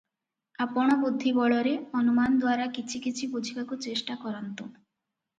ଆପଣ ବୁଦ୍ଧିବଳରେ ଅନୁମାନ ଦ୍ୱାରା କିଛି କିଛି ବୁଝିବାକୁ ଚେଷ୍ଟାକରନ୍ତୁ ।